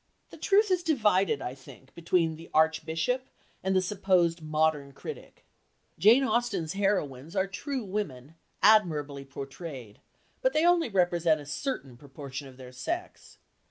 The truth is divided, I think, between the Archbishop and the supposed modern critic. Jane's heroines are true women, admirably portrayed, but they only represent a certain proportion of their sex.